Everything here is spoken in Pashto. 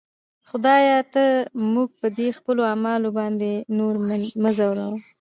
خدایه! ته موږ په دې خپلو اعمالو باندې نور مه ځوروه.